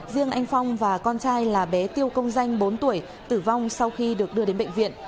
riêng anh phong và con trai là bé tiêu công danh bốn tuổi tử vong sau khi được đưa đến bệnh viện